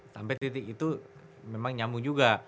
sampai titik itu memang nyamuk juga